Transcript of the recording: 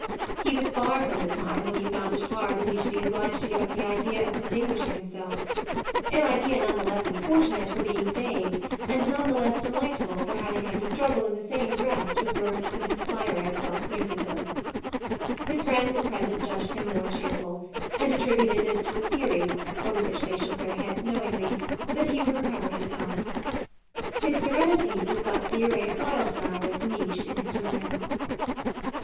He was far from the time when he had found it hard that he should be obliged to give up the idea of distinguishing himself; an idea none the less importunate for being vague and none the less delightful for having had to struggle in the same breast with bursts of inspiring self criticism. His friends at present judged him more cheerful, and attributed it to a theory, over which they shook their heads knowingly, that he would recover his health. His serenity was but the array of wild flowers niched in his ruin.